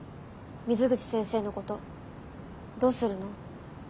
水口先生のことどうするの？